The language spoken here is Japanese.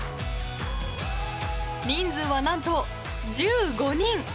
人数は何と１５人。